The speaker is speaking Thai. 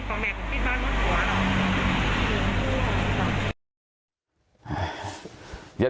โอ้โฮ